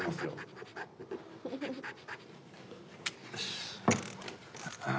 よし。